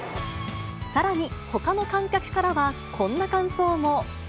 さらにほかの観客からは、こんな感想も。